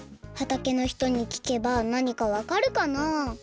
はたけのひとにきけばなにかわかるかな？